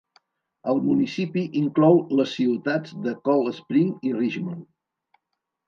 El municipi inclou les ciutats de Cold Spring i Richmond.